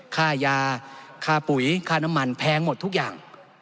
ค่ายาค่าปุ๋ยค่าน้ำมันแพงหมดทุกอย่าง